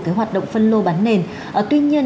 cái hoạt động phân lô bán nền tuy nhiên